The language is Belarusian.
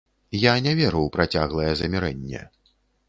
Я не веру ў працяглае замірэнне.